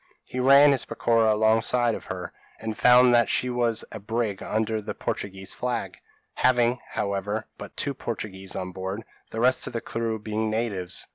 He ran his peroqua alongside of her, and found that she was a brig under the Portuguese flag, having, however, but two Portuguese on board, the rest of the crew being natives.